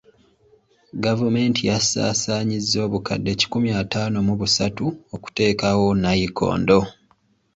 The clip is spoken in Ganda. Gavumenti yasaasanyizza obukadde kikumi ataano mu busatu okuteekawo nnayikondo.